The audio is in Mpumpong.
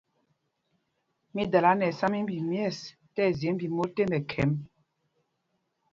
Mi dala nɛ ɛsá mímbi myɛ̂ɛs tí ɛzye mbi mot tek mɛkhɛm.